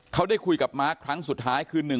เขาได้คุยกับมาร์คครั้งสุดท้ายคือ